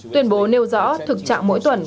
tuyên bố nêu rõ thực trạng mỗi tuần